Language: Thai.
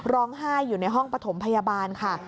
ร้องไห้อยู่ในห้องปฐมพยาบาลค่ะ